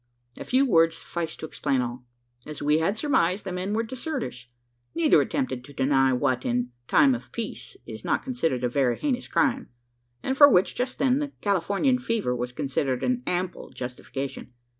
A few words sufficed to explain all. As we had surmised, the men were deserters. Neither attempted to deny what, in time of peace, is not considered a very heinous crime; and for which, just then, the "Californian fever" was considered an ample justification.